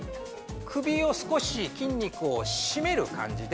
首を少し筋肉をしめる感じで。